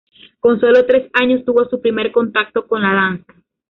Con sólo tres años tuvo su primer contacto con la danza.